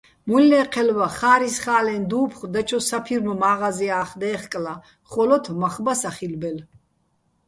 მუჲლნე́ჴელბა ხა́რისხა́ლეჼ დუ́ფხო̆ დაჩო საფირმო̆ მა́ღაზია́ხ დე́ხკლა, ხო́ლოთ მახ ბა სახილბელ.